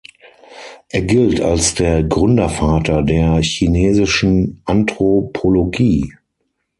Er gilt als der Gründervater der chinesischen Anthropologie.